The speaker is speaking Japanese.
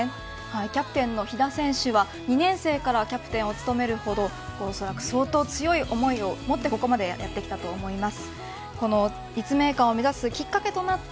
キャプテンの飛田選手は２年生からキャプテンを務めるほど相当強い思いを持ってここまでやってきたと思います。